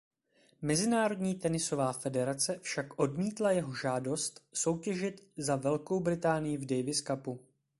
Mezinárodní tenisová federace však odmítla jeho žádost soutěžit za Velkou Británii v Davis Cupu.